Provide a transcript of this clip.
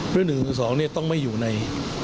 เรื่องหนึ่งคือสองเนี่ยต้องไม่อยู่ใน